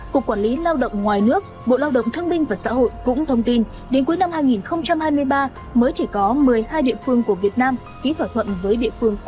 cục quản lý lao động ngoài nước bộ lao động thương binh và xã hội cũng thông tin đến cuối năm hai nghìn hai mươi ba mới chỉ có một mươi hai địa phương của việt nam ký thỏa thuận với địa phương